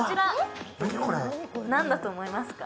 何だと思いますか？